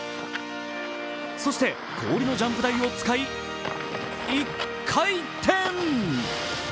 そして氷のジャンプ台を使い、１回転。